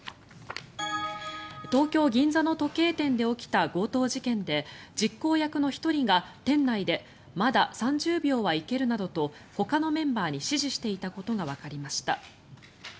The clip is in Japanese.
東京・銀座の時計店で起きた強盗事件で実行役の１人が店内でまだ３０秒はいけるなどとほかのメンバーに指示していたことがわかりました。